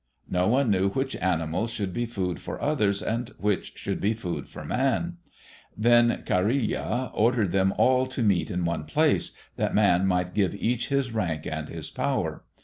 No one knew which animals should be food for others, and which should be food for man. Then Kareya ordered them all to meet in one place, that Man might give each his rank and his power.